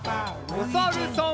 おさるさん。